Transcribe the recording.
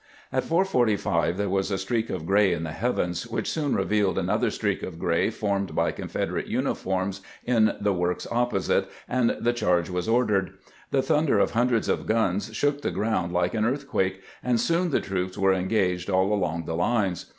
At 4 : 45 there was a streak of gray in the heavens, which soon revealed another streak of gray formed by Confederate uniforms in the works opposite, and the charge was ordered. The thunder of hundreds of guns shook the ground like an earthquake, and soon the troops were engaged all along the lines.